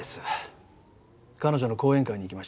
彼女の講演会に行きました。